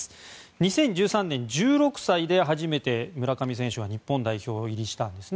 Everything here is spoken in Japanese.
２０１３年、１６歳で初めて村上選手は日本代表入りしたんですね。